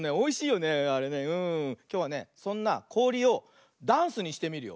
きょうはねそんなこおりをダンスにしてみるよ。